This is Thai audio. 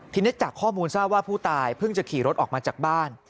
ทีนี้จากข้อมูลทราบว่าผู้ตายเพิ่งจะขี่รถออกมาจากบ้าน